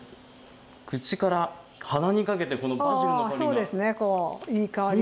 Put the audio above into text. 口から鼻にかけてこのバジルの香りが。